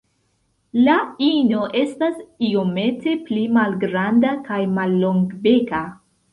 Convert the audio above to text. La ino estas iomete pli malgranda kaj mallongbeka.